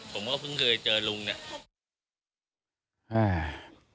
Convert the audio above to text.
ผมก็เพิ่งเคยเจอลุงเนี่ย